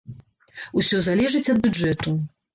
Усё залежыць ад бюджэту.